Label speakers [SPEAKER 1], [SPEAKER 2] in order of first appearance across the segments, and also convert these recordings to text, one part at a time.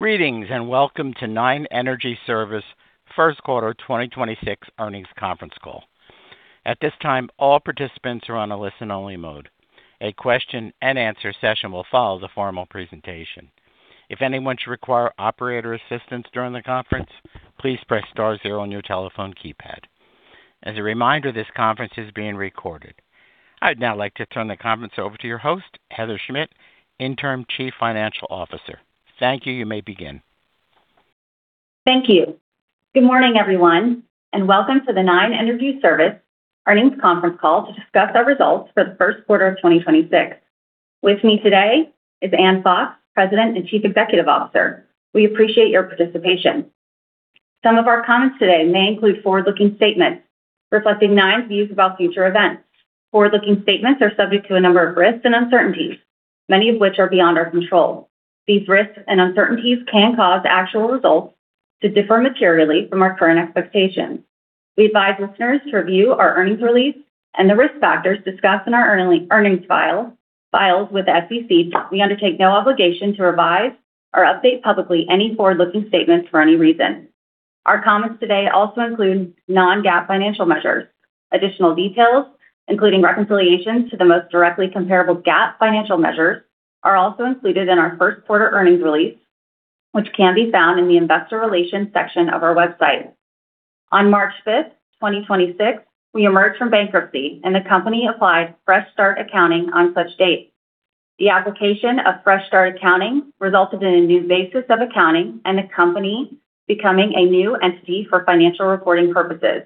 [SPEAKER 1] I'd now like to turn the conference over to your host, Heather Schmidt, interim chief financial officer. Thank you. You may begin.
[SPEAKER 2] Thank you. Good morning, everyone. Welcome to the Nine Energy Service Earnings Conference Call to discuss our results for the Q1 of 2026. With me today is Ann Fox, President and Chief Executive Officer. We appreciate your participation. Some of our comments today may include forward-looking statements reflecting Nine's views about future events. Forward-looking statements are subject to a number of risks and uncertainties, many of which are beyond our control. These risks and uncertainties can cause actual results to differ materially from our current expectations. We advise listeners to review our earnings release and the risk factors discussed in our earnings files with the SEC. We undertake no obligation to revise or update publicly any forward-looking statements for any reason. Our comments today also include non-GAAP financial measures. Additional details, including reconciliations to the most directly comparable GAAP financial measures, are also included in our Q1 earning release, which can be found in the investor relations section of our website. On March fifth, 2026, we emerged from bankruptcy and the company applied fresh start accounting on such date. The application of fresh start accounting resulted in a new basis of accounting and the company becoming a new entity for financial reporting purposes,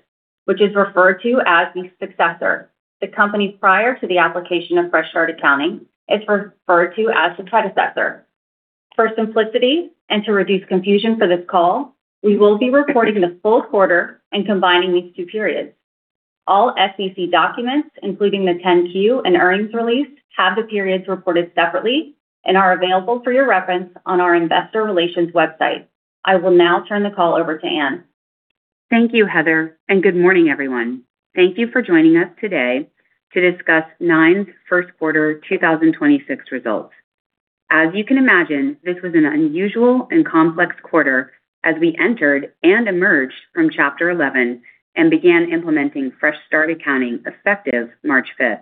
[SPEAKER 2] which is referred to as the successor. The company prior to the application of fresh start accounting is referred to as the predecessor. For simplicity and to reduce confusion for this call, we will be reporting the full quarter and combining these two periods. All SEC documents, including the 10-Q and earnings release, have the periods reported separately and are available for your reference on our investor relations website. I will now turn the call over to Ann Fox.
[SPEAKER 3] Thank you, Heather. Good morning, everyone. Thank you for joining us today to discuss Nine's Q1 2026 results. As you can imagine, this was an unusual and complex quarter as we entered and emerged from Chapter 11 and began implementing fresh start accounting effective March 5.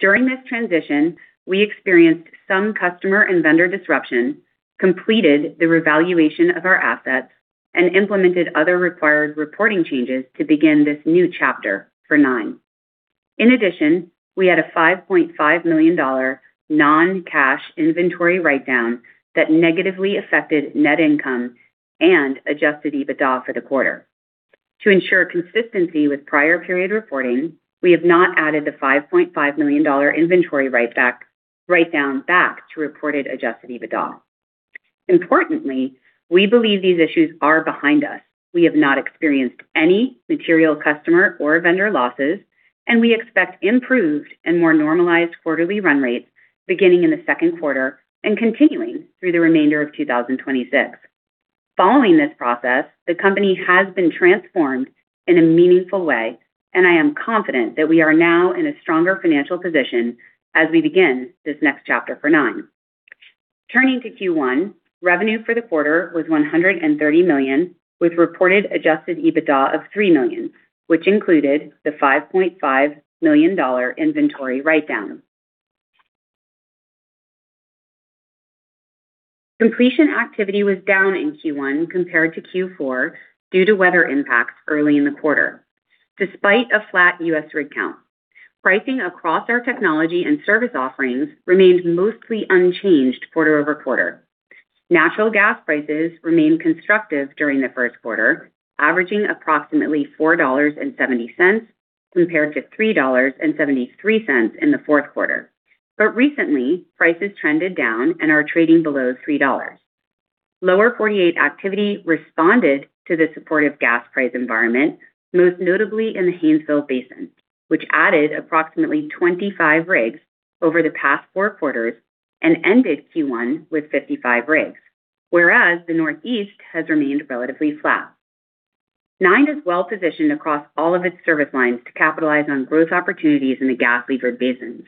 [SPEAKER 3] During this transition, we experienced some customer and vendor disruption, completed the revaluation of our assets, and implemented other required reporting changes to begin this new chapter for Nine. In addition, we had a $5.5 million non-cash inventory write-down that negatively affected net income and adjusted EBITDA for the quarter. To ensure consistency with prior period reporting, we have not added the $5.5 million inventory write-down back to reported adjusted EBITDA. Importantly, we believe these issues are behind us. We have not experienced any material customer or vendor losses. We expect improved and more normalized quarterly run rates beginning in the Q2 and continuing through the remainder of 2026. Following this process, the company has been transformed in a meaningful way. I am confident that we are now in a stronger financial position as we begin this next chapter for Nine. Turning to Q1, revenue for the quarter was $130 million with reported adjusted EBITDA of $3 million, which included the $5.5 million inventory write-down. Completion activity was down in Q1 compared to Q4 due to weather impacts early in the quarter, despite a flat U.S. rig count. Pricing across our technology and service offerings remained mostly unchanged quarter-over-quarter. Natural gas prices remained constructive during the Q1, averaging approximately $4.70 compared to $3.73 in the fourth quarter. Recently, prices trended down and are trading below $3. Lower 48 activity responded to the supportive gas price environment, most notably in the Haynesville Basin, which added approximately 25 rigs over the past four quarters and ended Q1 with 55 rigs, whereas the Northeast has remained relatively flat. Nine is well-positioned across all of its service lines to capitalize on growth opportunities in the gas-levered basins.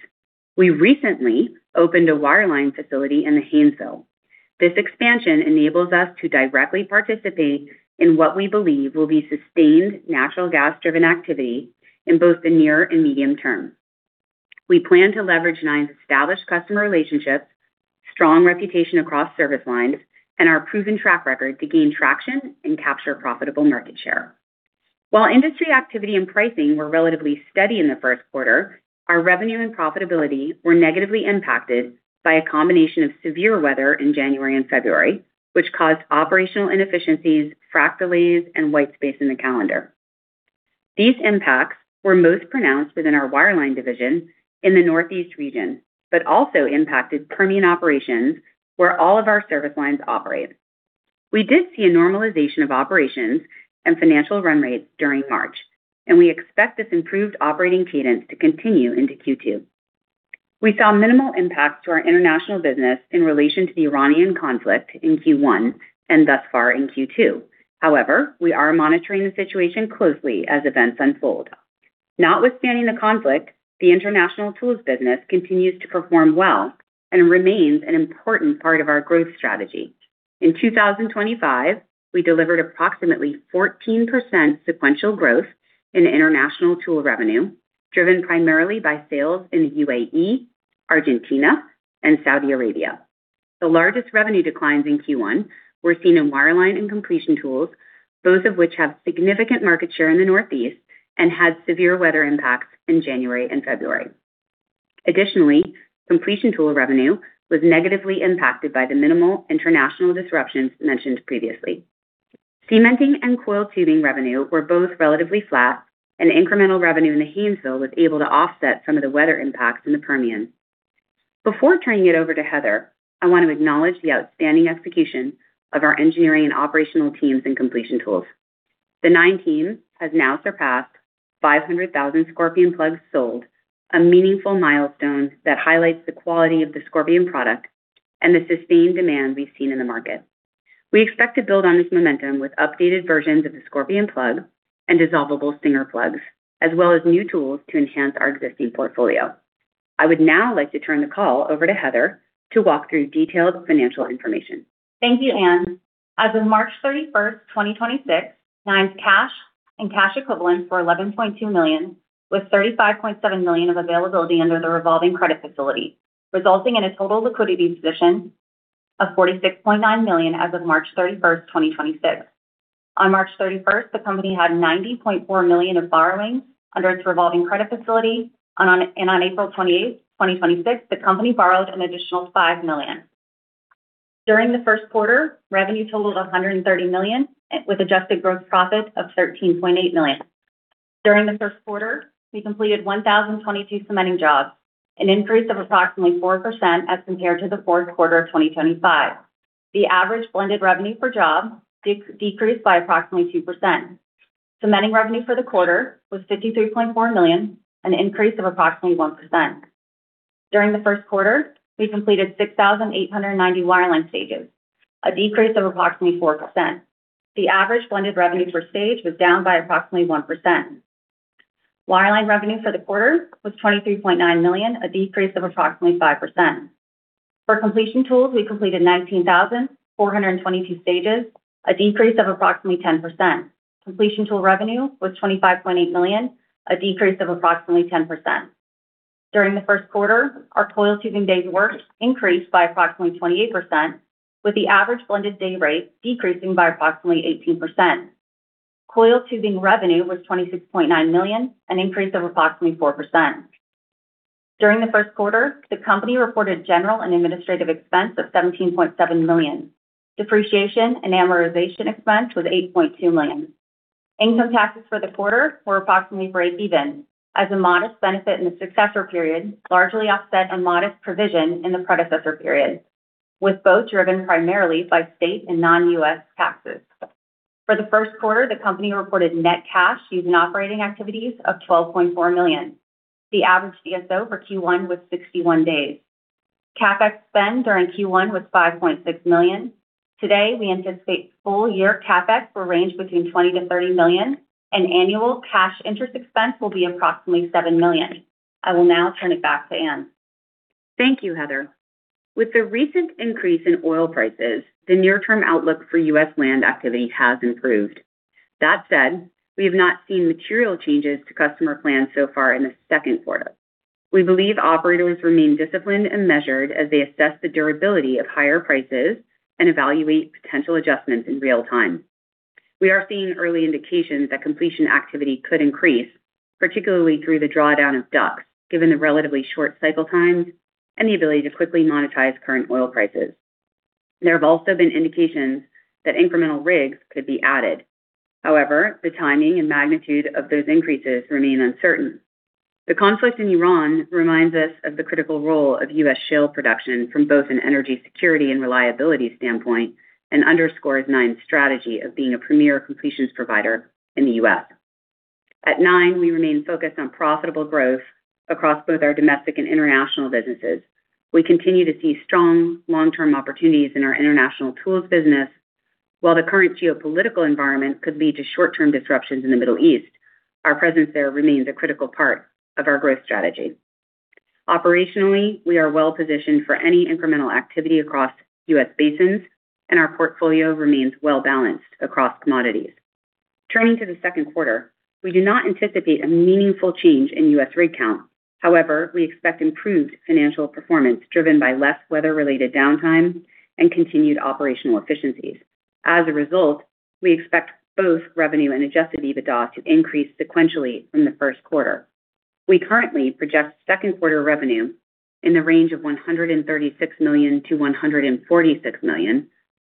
[SPEAKER 3] We recently opened a wireline facility in the Haynesville. This expansion enables us to directly participate in what we believe will be sustained natural gas-driven activity in both the near and medium term. We plan to leverage Nine's established customer relationships, strong reputation across service lines, and our proven track record to gain traction and capture profitable market share. While industry activity and pricing were relatively steady in the Q1, our revenue and profitability were negatively impacted by a combination of severe weather in January and February, which caused operational inefficiencies, frac delays, and white space in the calendar. These impacts were most pronounced within our wireline division in the Northeast region but also impacted Permian operations where all of our service lines operate. We did see a normalization of operations and financial run rates during March, and we expect this improved operating cadence to continue into Q2. We saw minimal impacts to our international business in relation to the Iranian conflict in Q1 and thus far in Q2. We are monitoring the situation closely as events unfold. Notwithstanding the conflict, the international tools business continues to perform well and remains an important part of our growth strategy. In 2025, we delivered approximately 14% sequential growth in international tool revenue, driven primarily by sales in the UAE, Argentina, and Saudi Arabia. The largest revenue declines in Q1 were seen in wireline and completion tools, both of which have significant market share in the Northeast and had severe weather impacts in January and February. Completion tool revenue was negatively impacted by the minimal international disruptions mentioned previously. cementing and coiled tubing revenue were both relatively flat, and incremental revenue in the Haynesville was able to offset some of the weather impacts in the Permian. Before turning it over to Heather, I want to acknowledge the outstanding execution of our engineering and operational teams in completion tools. The Nine team has now surpassed 500,000 Scorpion plugs sold, a meaningful milestone that highlights the quality of the Scorpion product and the sustained demand we've seen in the market. We expect to build on this momentum with updated versions of the Scorpion plug and dissolvable Stinger plugs, as well as new tools to enhance our existing portfolio. I would now like to turn the call over to Heather to walk through detailed financial information.
[SPEAKER 2] Thank you, Ann. As of March 31, 2026, Nine's cash and cash equivalents were $11.2 million, with $35.7 million of availability under the revolving credit facility, resulting in a total liquidity position of $46.9 million as of March 31, 2026. On March 31, the company had $90.4 million of borrowings under its revolving credit facility. On April 28, 2026, the company borrowed an additional $5 million. During the Q1, revenue totaled $130 million, with adjusted gross profit of $13.8 million. During the Q1, we completed 1,022 cementing jobs, an increase of approximately 4% as compared to the fourth quarter of 2025. The average blended revenue per job decreased by approximately 2%. Cementing revenue for the quarter was $53.4 million, an increase of approximately 1%. During the Q1, we completed 6,890 wireline stages, a decrease of approximately 4%. The average blended revenue per stage was down by approximately 1%. Wireline revenue for the quarter was $23.9 million, a decrease of approximately 5%. For completion tools, we completed 19,422 stages, a decrease of approximately 10%. Completion tool revenue was $25.8 million, a decrease of approximately 10%. During the Q1, our coiled tubing days worked increased by approximately 28%, with the average blended day rate decreasing by approximately 18%. Coiled tubing revenue was $26.9 million, an increase of approximately 4%. During the Q1, the company reported general and administrative expense of $17.7 million. Depreciation and amortization expense was $8.2 million. Income taxes for the quarter were approximately break even as a modest benefit in the successor period, largely offset a modest provision in the predecessor period, with both driven primarily by state and non-U.S. taxes. For the Q1, the company reported net cash used in operating activities of $12.4 million. The average DSO for Q1 was 61 days. CapEx spend during Q1 was $5.6 million. Today, we anticipate full-year CapEx will range between $20 million-$30 million, and annual cash interest expense will be approximately $7 million. I will now turn it back to Ann.
[SPEAKER 3] Thank you, Heather. With the recent increase in oil prices, the near-term outlook for U.S. land activity has improved. We have not seen material changes to customer plans so far in the Q2. We believe operators remain disciplined and measured as they assess the durability of higher prices and evaluate potential adjustments in real time. We are seeing early indications that completion activity could increase, particularly through the drawdown of DUCs, given the relatively short cycle times and the ability to quickly monetize current oil prices. There have also been indications that incremental rigs could be added. The timing and magnitude of those increases remain uncertain. The conflict in Iran reminds us of the critical role of U.S. shale production from both an energy security and reliability standpoint, and underscores Nine's strategy of being a premier completions provider in the U.S. At Nine, we remain focused on profitable growth across both our domestic and international businesses. We continue to see strong long-term opportunities in our international tools business. While the current geopolitical environment could lead to short-term disruptions in the Middle East, our presence there remains a critical part of our growth strategy. Operationally, we are well-positioned for any incremental activity across U.S. basins, and our portfolio remains well-balanced across commodities. Turning to the Q2, we do not anticipate a meaningful change in U.S. rig count. However, we expect improved financial performance driven by less weather-related downtime and continued operational efficiencies. As a result, we expect both revenue and adjusted EBITDA to increase sequentially from the Q1. We currently project Q2 revenue in the range of $136 million-$146 million.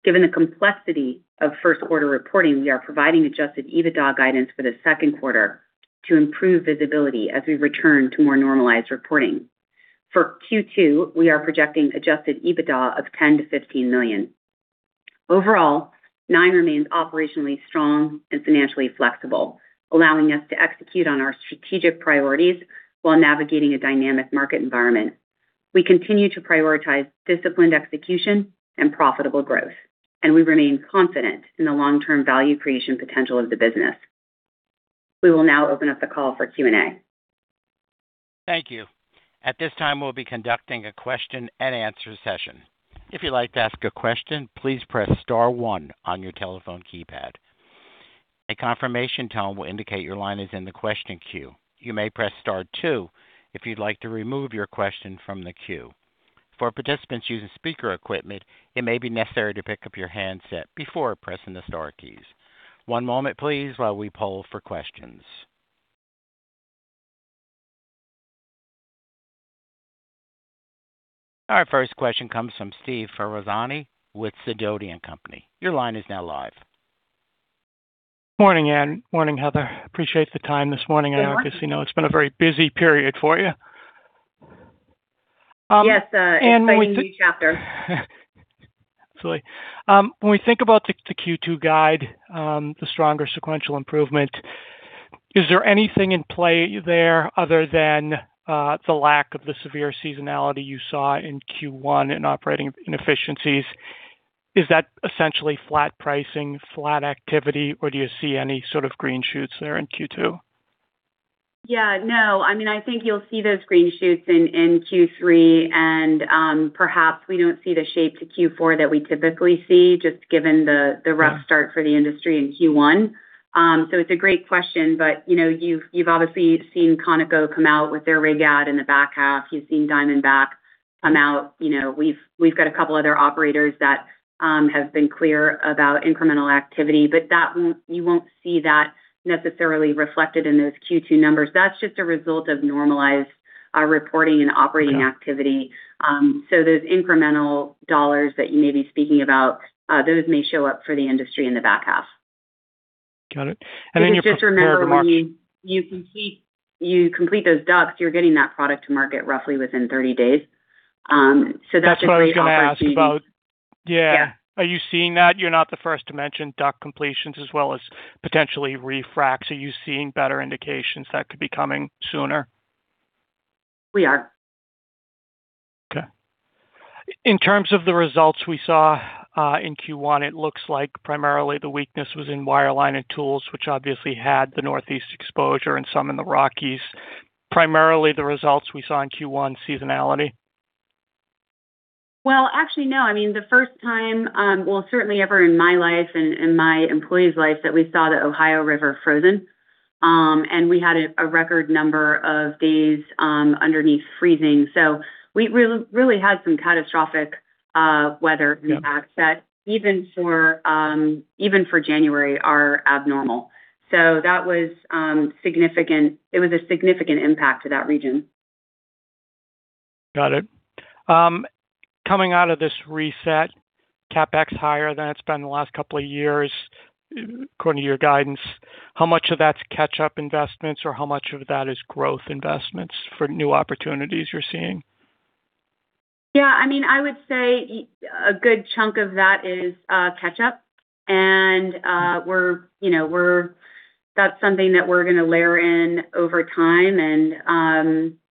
[SPEAKER 3] Given the complexity of Q1 reporting, we are providing adjusted EBITDA guidance for the Q2 to improve visibility as we return to more normalized reporting. For Q2, we are projecting adjusted EBITDA of $10 million-$15 million. Overall, Nine remains operationally strong and financially flexible, allowing us to execute on our strategic priorities while navigating a dynamic market environment. We continue to prioritize disciplined execution and profitable growth, and we remain confident in the long-term value creation potential of the business. We will now open up the call for Q&A.
[SPEAKER 1] Thank you. At this time, we'll be conducting a question and answer session. If you'd like to ask a question, please press star one on your telephone keypad. A confirmation tone will indicate your line is in the question queue. You may press star two if you'd like to remove your question from the queue. For participants using speaker equipment, it may be necessary to pick up your handset before pressing the star keys. One moment please, while we poll for questions. Our first question comes from Steve Ferazani with Sidoti & Company. Your line is now live.
[SPEAKER 4] Morning, Ann. Morning, Heather. Appreciate the time this morning. Obviously know it's been a very busy period for you.
[SPEAKER 3] Yes, exciting new chapter.
[SPEAKER 4] Absolutely. When we think about the Q2 guide, the stronger sequential improvement, is there anything in play there other than the lack of the severe seasonality you saw in Q1 in operating inefficiencies? Is that essentially flat pricing, flat activity, or do you see any sort of green shoots there in Q2?
[SPEAKER 3] No. You'll see those green shoots in Q3 and perhaps we don't see the shape to Q4 that we typically see, just given the rough start for the industry in Q1. It's a great question you've obviously seen Conoco come out with their rig add in the back half. You've seen Diamondback come out. We've got a couple other operators that have been clear about incremental activity, but you won't see that necessarily reflected in those Q2 numbers. That's just a result of normalized reporting and operating activity. Those incremental dollars that you may be speaking about, those may show up for the industry in the back half.
[SPEAKER 4] Got it.
[SPEAKER 3] Just remember, when you complete those DUCs, you're getting that product to market roughly within 30 days. That's a great opportunity.
[SPEAKER 4] That's what I was gonna ask about.
[SPEAKER 3] Yeah.
[SPEAKER 4] Are you seeing that? You're not the first to mention DUC completions as well as potentially refracs. Are you seeing better indications that could be coming sooner?
[SPEAKER 3] We are.
[SPEAKER 4] Okay. In terms of the results we saw, in Q1, it looks like primarily the weakness was in wireline and tools, which obviously had the Northeast exposure and some in the Rockies. Primarily, the results we saw in Q1, seasonality?
[SPEAKER 3] Actually, no. The first time, certainly ever in my life and in my employees' life, that we saw the Ohio River frozen. We had a record number of days underneath freezing. We really had some catastrophic weather in the back set. Even for January are abnormal. That was significant. It was a significant impact to that region.
[SPEAKER 4] Got it. Coming out of this reset, CapEx higher than it's been the last couple of years, according to your guidance. How much of that's catch-up investments or how much of that is growth investments for new opportunities you're seeing?
[SPEAKER 3] I would say a good chunk of that is catch-up. That's something that we're gonna layer in over time,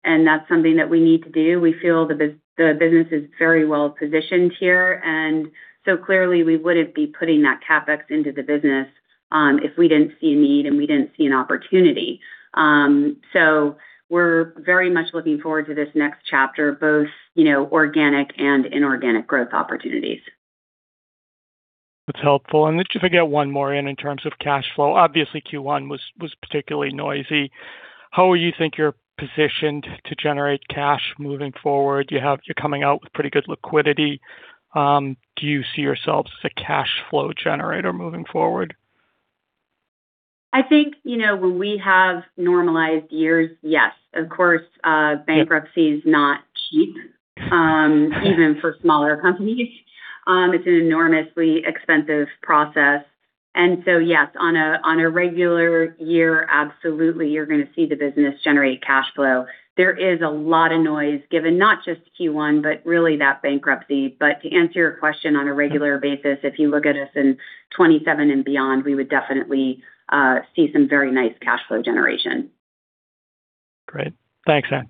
[SPEAKER 3] and that's something that we need to do. We feel the business is very well positioned here. Clearly, we wouldn't be putting that CapEx into the business if we didn't see a need and we didn't see an opportunity. We're very much looking forward to this next chapter, both organic and inorganic growth opportunities.
[SPEAKER 4] That's helpful. If I could get one more in in terms of cash flow. Obviously, Q1 was particularly noisy. How do you think you're positioned to generate cash moving forward? You're coming out with pretty good liquidity. Do you see yourselves as a cash flow generator moving forward?
[SPEAKER 3] When we have normalized years, yes. Of course, bankruptcy is not cheap, even for smaller companies. It's an enormously expensive process. Yes, on a, on a regular year, absolutely, you're gonna see the business generate cash flow. There is a lot of noise given not just Q1, but really that bankruptcy. To answer your question on a regular basis, if you look at us in 2027 and beyond, we would definitely, see some very nice cash flow generation.
[SPEAKER 4] Great. Thanks, Ann.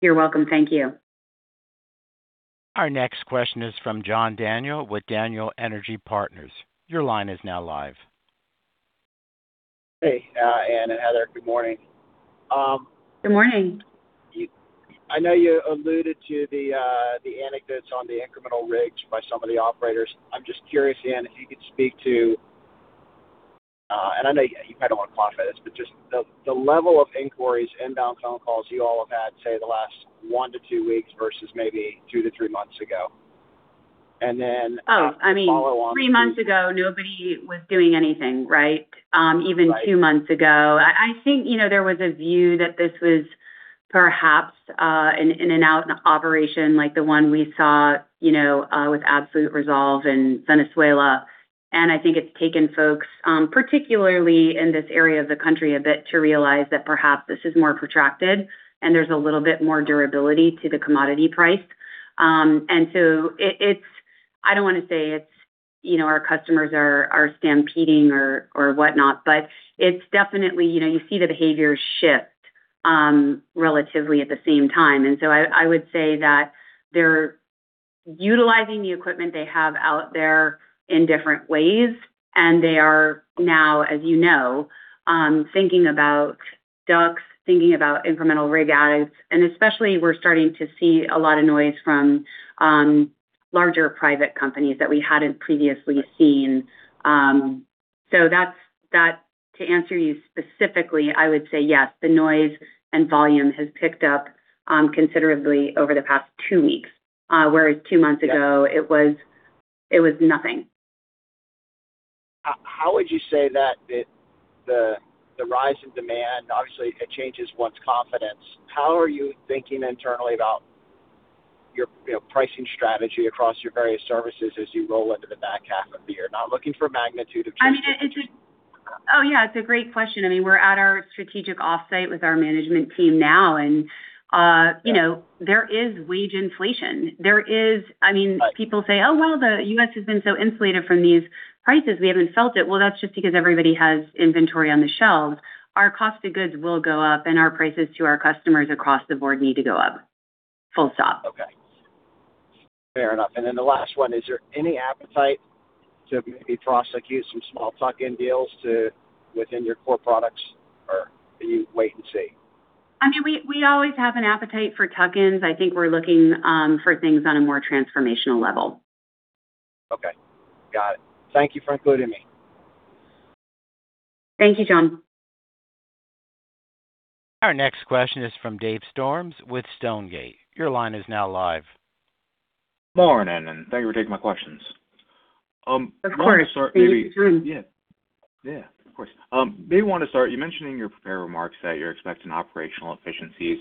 [SPEAKER 3] You're welcome. Thank you.
[SPEAKER 1] Our next question is from John Daniel with Daniel Energy Partners. Your line is now live.
[SPEAKER 5] Hey, Ann and Heather. Good morning.
[SPEAKER 3] Good morning.
[SPEAKER 5] I know you alluded to the anecdotes on the incremental rigs by some of the operators. I'm just curious, Ann, if you could speak to, and I know you kinda wanna qualify this, but just the level of inquiries, inbound phone calls you all have had, say, the last one to two weeks versus maybe two to three months ago.
[SPEAKER 3] Oh, I mean.
[SPEAKER 5] Follow on to.
[SPEAKER 3] Three months ago, nobody was doing anything, right?
[SPEAKER 5] Right.
[SPEAKER 3] Even two months ago. There was a view that this was perhaps an in-and-out operation like the one we saw with Absolute Resolve in Venezuela. It's taken folks, particularly in this area of the country, a bit to realize that perhaps this is more protracted and there's a little bit more durability to the commodity price. I don't wanna say it's our customers are stampeding or whatnot, but it's definitely you see the behaviors shift relatively at the same time. I would say that they're utilizing the equipment they have out there in different ways, and they are now thinking about DUCs, thinking about incremental rig adds. Especially, we're starting to see a lot of noise from larger private companies that we hadn't previously seen. To answer you specifically, I would say yes, the noise and volume has picked up considerably over the past two weeks, whereas two months ago it was nothing.
[SPEAKER 5] How would you say that the rise in demand, obviously it changes one's confidence? How are you thinking internally about your pricing strategy across your various services as you roll into the back half of the year? Not looking for magnitude of change.
[SPEAKER 3] It's a great question. We're at our strategic offsite with our management team now and there is wage inflation. There is people say, "Oh, well, the U.S. has been so insulated from these prices. We haven't felt it." That's just because everybody has inventory on the shelves. Our cost of goods will go up, and our prices to our customers across the board need to go up. Full stop.
[SPEAKER 5] Okay. Fair enough. Then the last one, is there any appetite to maybe prosecute some small tuck-in deals to, within your core products, or do you wait and see?
[SPEAKER 3] We always have an appetite for tuck-ins. We're looking for things on a more transformational level.
[SPEAKER 5] Okay. Got it. Thank you for including me.
[SPEAKER 3] Thank you, John.
[SPEAKER 1] Our next question is from Dave Storms with Stonegate. Your line is now live.
[SPEAKER 6] Good morning, and thank you for taking my questions.
[SPEAKER 3] Of course.
[SPEAKER 6] I wanna start maybe.
[SPEAKER 3] Please continue.
[SPEAKER 6] Yeah. You mentioned in your prepared remarks that you're expecting operational efficiencies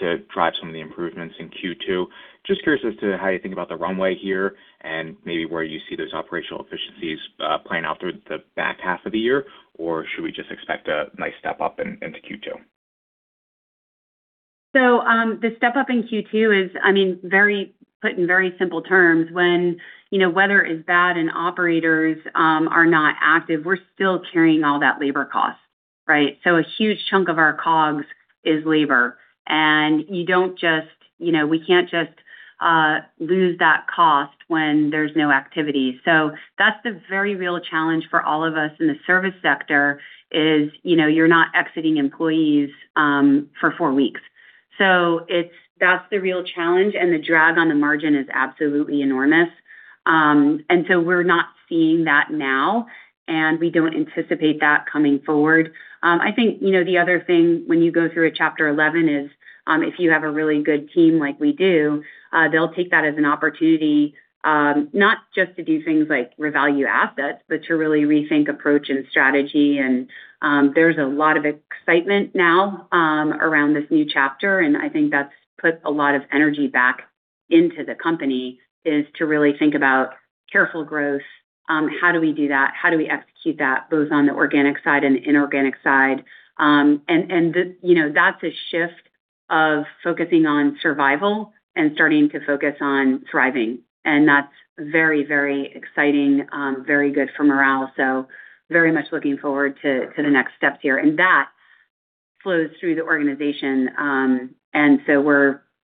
[SPEAKER 6] to drive some of the improvements in Q2. Just curious as to how you think about the runway here and maybe where you see those operational efficiencies playing out through the back half of the year, or should we just expect a nice step up into Q2?
[SPEAKER 3] The step up in Q2 is, put in very simple terms, when weather is bad and operators are not active, we're still carrying all that labor cost, right? A huge chunk of our COGS is labor, and you don't just, we can't just lose that cost when there's no activity. That's the very real challenge for all of us in the service sector is you're not exiting employees for four weeks. That's the real challenge, and the drag on the margin is absolutely enormous. We're not seeing that now, and we don't anticipate that coming forward. The other thing when you go through a Chapter 11 is, if you have a really good team like we do, they'll take that as an opportunity, not just to do things like revalue assets, but to really rethink approach and strategy. There's a lot of excitement now around this new chapter, that's put a lot of energy back into the company, is to really think about careful growth. How do we do that? How do we execute that, both on the organic side and the inorganic side? That's a shift of focusing on survival and starting to focus on thriving, that's very, very exciting. Very good for morale. Very much looking forward to the next steps here. That flows through the organization.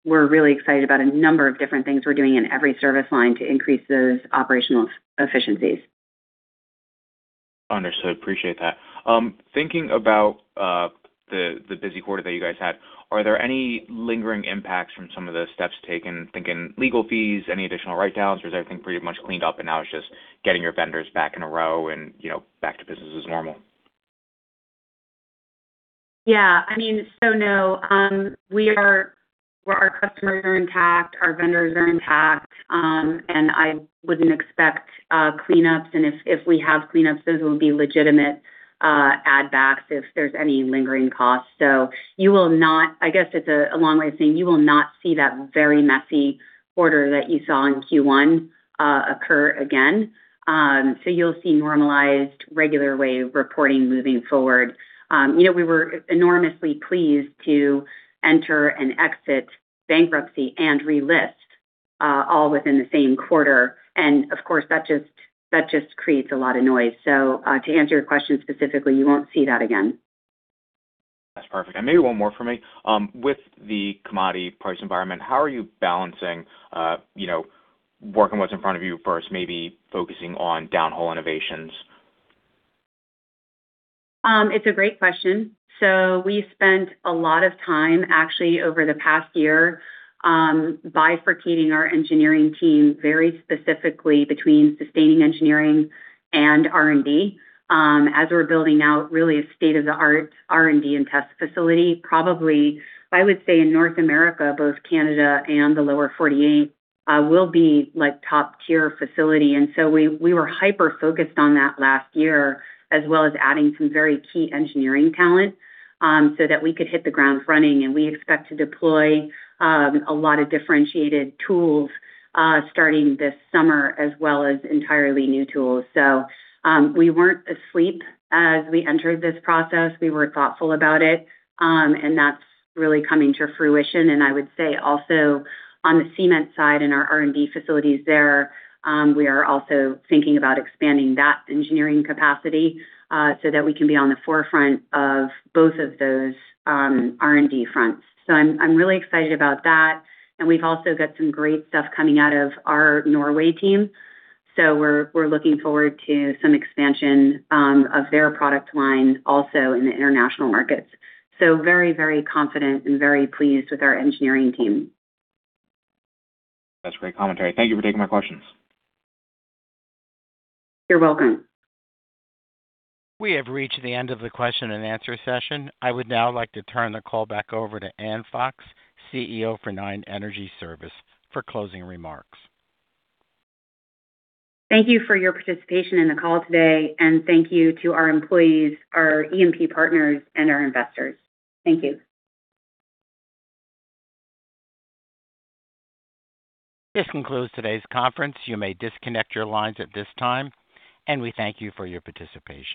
[SPEAKER 3] We're really excited about a number of different things we're doing in every service line to increase those operational efficiencies.
[SPEAKER 6] Understood. Appreciate that. Thinking about the busy quarter that you guys had, are there any lingering impacts from some of the steps taken, thinking legal fees, any additional write-downs, or is everything pretty much cleaned up and now it's just getting your vendors back in a row and back to business as normal?
[SPEAKER 3] Yeah. No, our customers are intact, our vendors are intact. I wouldn't expect cleanups, and if we have cleanups, those will be legitimate add backs if there's any lingering costs. You will not I guess it's a long way of saying you will not see that very messy quarter that you saw in Q1 occur again. You'll see normalized, regular way of reporting moving forward. We were enormously pleased to enter and exit bankruptcy and relist all within the same quarter. Of course, that just creates a lot of noise. To answer your question specifically, you won't see that again.
[SPEAKER 6] That's perfect. Maybe one more from me. With the commodity price environment, how are you balancing working what's in front of you versus maybe focusing on downhole innovations?
[SPEAKER 3] It's a great question. We spent a lot of time, actually, over the past year, bifurcating our engineering team very specifically between sustaining engineering and R&D, as we're building out really a state-of-the-art R&D and test facility. Probably, I would say in North America, both Canada and the Lower 48, we'll be, like, top tier facility. We, we were hyper-focused on that last year, as well as adding some very key engineering talent, so that we could hit the ground running. We expect to deploy a lot of differentiated tools, starting this summer, as well as entirely new tools. We weren't asleep as we entered this process. We were thoughtful about it, and that's really coming to fruition. I would say also on the cement side, in our R&D facilities there, we are also thinking about expanding that engineering capacity, so that we can be on the forefront of both of those R&D fronts. I'm really excited about that. We've also got some great stuff coming out of our Norway team, we're looking forward to some expansion of their product line also in the international markets. Very, very confident and very pleased with our engineering team.
[SPEAKER 6] That's great commentary. Thank you for taking my questions.
[SPEAKER 3] You're welcome.
[SPEAKER 1] We have reached the end of the question and answer session. I would now like to turn the call back over to Ann Fox, CEO for Nine Energy Service, for closing remarks.
[SPEAKER 3] Thank you for your participation in the call today, and thank you to our employees, our E&P partners, and our investors. Thank you.
[SPEAKER 1] This concludes today's conference. You may disconnect your lines at this time, and we thank you for your participation.